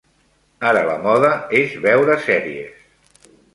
Ara la moda és veure sèries.